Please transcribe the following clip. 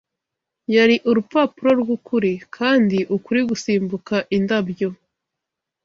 yari Urupapuro rwukuri; Kandi Ukuri gusimbuka indabyo